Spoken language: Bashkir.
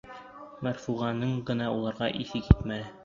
Мәрфуғаның ғына уларға иҫе китмәне.